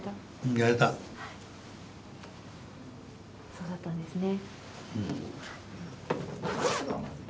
そうだったんですね。